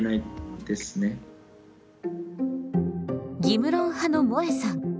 義務論派のもえさん。